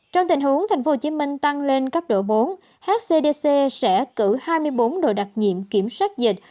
trong tình huống tp hcm tăng lên cấp độ bốn hcdc sẽ cử hai mươi bốn đội đặc nhiệm kiểm soát dịch